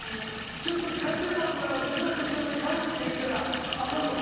ちょっと買いたいものがあるから私のお年玉で買うって言ったらアカンのか？